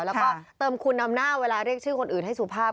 แล้วก็เติมคุณนำหน้าเวลาเรียกชื่อคนอื่นให้สุภาพ